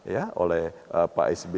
ya oleh pak s b